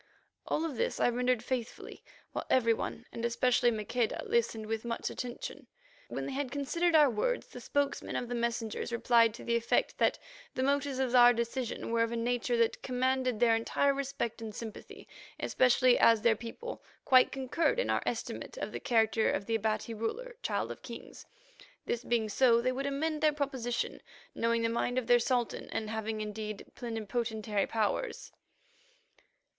All of this I rendered faithfully, while every one, and especially Maqueda, listened with much attention. When they had considered our words, the spokesman of the messengers replied to the effect that the motives of our decision were of a nature that commanded their entire respect and sympathy, especially as their people quite concurred in our estimate of the character of the Abati ruler, Child of Kings. This being so, they would amend their proposition, knowing the mind of their Sultan, and having, indeed, plenipotentiary powers.